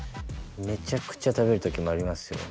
めちゃくちゃ食べる時もありますよ。